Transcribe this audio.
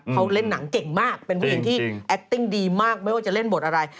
เขาเล่นหนังเก่งมากเป็นผู้หญิงที่แอคติ้งดีมากไม่ว่าจะเล่นบทอะไร